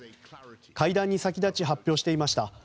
会談に先立ち発表していました